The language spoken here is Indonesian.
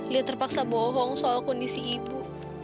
dia terpaksa bohong soal kondisi ibu